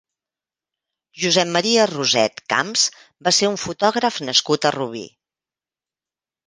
Josep Maria Roset Camps va ser un fotògraf nascut a Rubí.